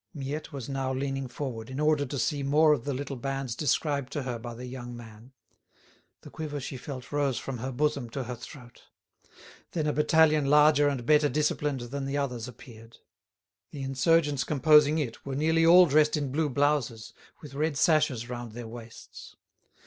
Miette was now leaning forward, in order to see more of the little bands described to her by the young man. The quiver she felt rose from her bosom to her throat. Then a battalion larger and better disciplined than the others appeared. The insurgents composing it were nearly all dressed in blue blouses, with red sashes round their waists.